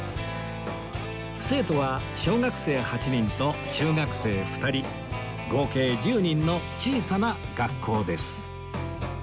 生徒は小学生８人と中学生２人合計１０人の小さな学校です